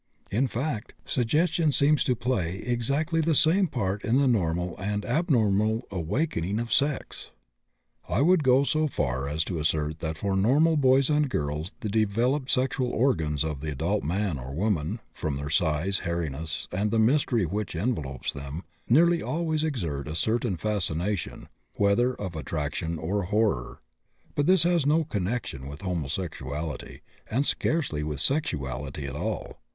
In fact, suggestion seems to play exactly the same part in the normal and abnormal awakening of sex." I would go so far as to assert that for normal boys and girls the developed sexual organs of the adult man or woman from their size, hairiness, and the mystery which envelops them nearly always exert a certain fascination, whether of attraction or horror. But this has no connection with homosexuality, and scarcely with sexuality at all.